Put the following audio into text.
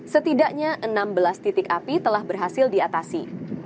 setidaknya enam belas titik api telah berhasil diatasi